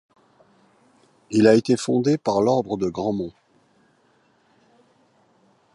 Il a été fondé par l'ordre de Grandmont.